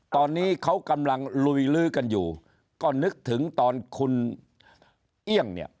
ตอนนี้เขากำลังลุยลื้อกันอยู่ก็นึกถึงตอนคุณเอี่ยงเนี่ย